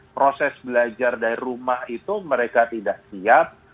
proses belajar dari rumah itu mereka tidak siap